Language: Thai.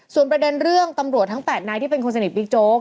ส่วนประเด็นเรื่องตำรวจทั้ง๘นายที่เป็นคนสนิทบิ๊กโจ๊ก